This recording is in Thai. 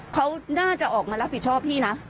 เขาน่าจะออกมารับผิดชอบพี่นะ